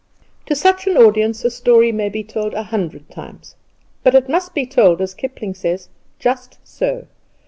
To such an audience a story may be told a hundred times, but it must be told, as Kipling says, "Just so!"